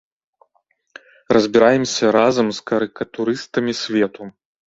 Разбіраемся разам з карыкатурыстамі свету.